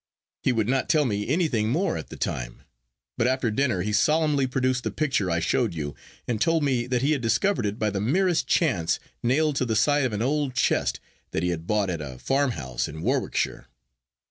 He would not tell me anything more at the time; but after dinner he solemnly produced the picture I showed you, and told me that he had discovered it by the merest chance nailed to the side of an old chest that he had bought at a farmhouse in Warwickshire.